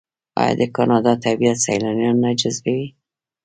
آیا د کاناډا طبیعت سیلانیان نه جذبوي؟